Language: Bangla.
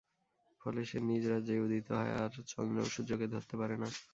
ফলে সে নিজ রাজ্যেই উদিত হয় আর চন্দ্রও সূর্যকে ধরতে পারে না।